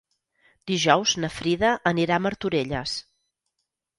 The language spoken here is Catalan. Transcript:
Dijous na Frida anirà a Martorelles.